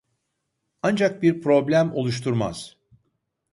Ancak bir problem oluşturmaz